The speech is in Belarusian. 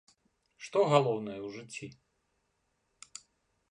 Што галоўнае ў жыцці?